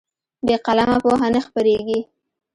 بې قلمه پوهه نه خپرېږي.